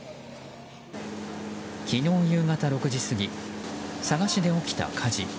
昨日夕方６時過ぎ佐賀市で起きた火事。